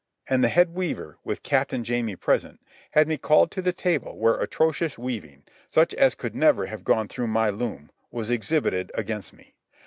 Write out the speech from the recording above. And the head weaver, with Captain Jamie present, had me called to the table where atrocious weaving, such as could never have gone through my loom, was exhibited against me.